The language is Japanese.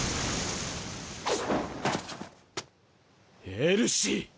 エルシー！